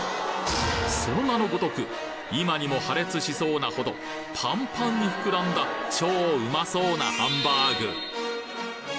その名のごとく今にも破裂しそうなほどパンパンに膨らんだ超うまそうなハンバーグ！